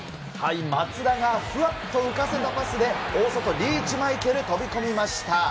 松田がふわっと浮かせたパスで、大外、リーチマイケル、飛び込みました。